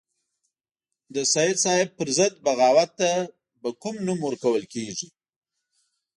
د سید صاحب پر ضد بغاوت ته به کوم نوم ورکول کېږي.